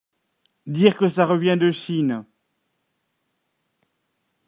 Dire que ça revient de Chine !